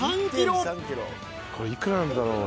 これ幾らなんだろう？